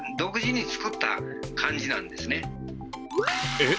えっ？